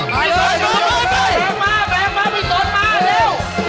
แบบมาแบบมาพี่สนมาเร็ว